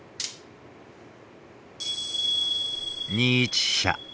２一飛車。